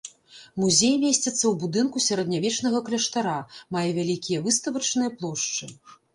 Музей месціцца ў будынку сярэднявечнага кляштара, мае вялікія выставачныя плошчы.